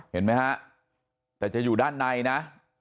เห็นไหมฮะแต่จะอยู่ด้านในนะ